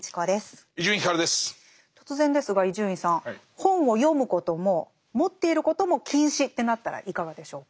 本を読むことも持っていることも禁止ってなったらいかがでしょうか。